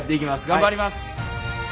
頑張ります！